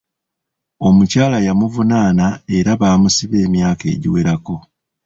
Omukyala yamuvunaana era baamusiba emyaka egiwerako.